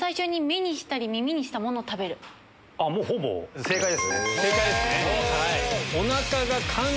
もうほぼ正解ですね。